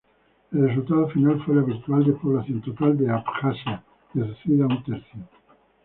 El resultado final fue la virtual despoblación total de Abjasia, reducida a un tercio.